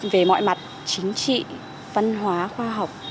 về mọi mặt chính trị văn hóa khoa học